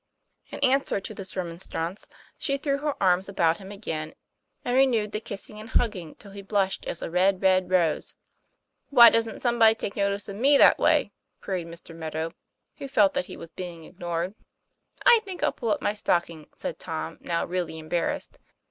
In answer to this remonstrance, she threw her arms about him again, and renewed the kissing and hug ging till he blushed as a red, red rose. 4 Why doesn't somebody take notice of me that way ?' queried Mr. Meadow, who felt that he was being ignored. " I think I'll pull up my stocking," said Tom, now really embarrassed.